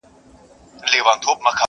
په کور کلي کي ماتم وو هنګامه وه؛